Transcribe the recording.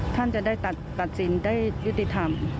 ท่านจะได้ตัดสินได้ยุติธรรม